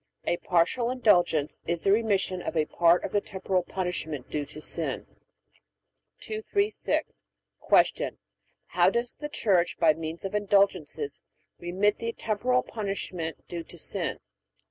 A Partial Indulgence is the remission of a part of the temporal punishment due to sin. 236. Q. How does the Church by means of Indulgences remit the temporal punishment due to sin?